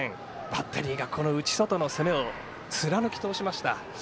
バッテリーが内、外の攻めを貫き通しました。